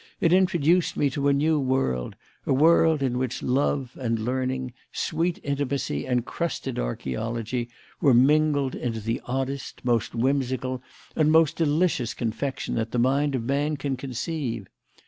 It introduced me to a new world a world in which love and learning, sweet intimacy and crusted archaeology, were mingled into the oddest, most whimsical, and most delicious confection that the mind of man can conceive.